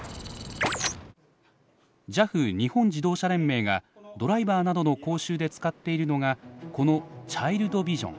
ＪＡＦ日本自動車連盟がドライバーなどの講習で使っているのがこのチャイルドビジョン。